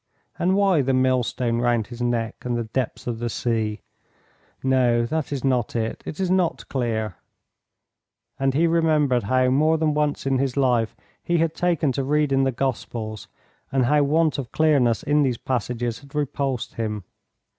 "And why 'the millstone round his neck and the depths of the sea?' No, that is not it: it is not clear," and he remembered how more than once in his life he had taken to reading the Gospels, and how want of clearness in these passages had repulsed him.